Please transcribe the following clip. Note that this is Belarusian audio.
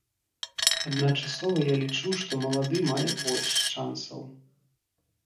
Адначасова я лічу, што малады мае больш шансаў.